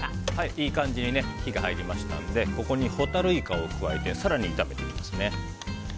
いい感じに火が入りましたのでここにホタルイカを加えて更に炒めていきます。